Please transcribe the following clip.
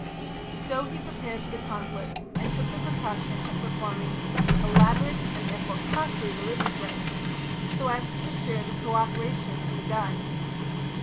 So he prepared for the conflict, and took the precaution of performing elaborate and therefore costly religious rites so as to secure the co operation of the gods.